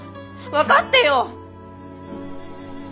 分かってよ！